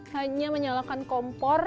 hanya menyalakan kompor